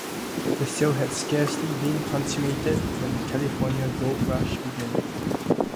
The sale had scarcely been consummated when the California gold rush began.